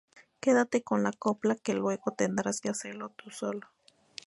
Quédate con la copla que luego tendrás que hacerlo tu solo